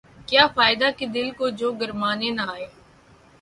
کیا فائدہ کہ دل کو جو گرمانے نہ آئیں